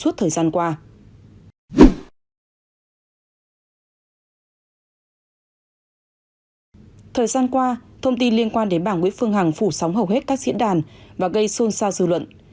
thời gian qua thông tin liên quan đến bảng nguyễn phương hằng phủ sóng hầu hết các diễn đàn và gây xôn xao dư luận